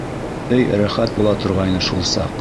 Эй рәхәт була торғайны шул саҡ!